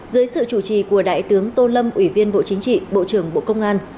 dưới sự chủ trì của đại tướng tô lâm ủy viên bộ chính trị bộ trưởng bộ công an